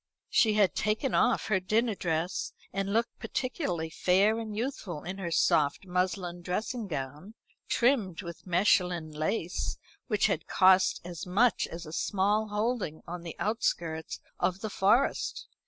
She had taken off her dinner dress, and looked particularly fair and youthful in her soft muslin dressing gown, trimmed with Mechlin lace which had cost as much as a small holding on the outskirts of the Forest.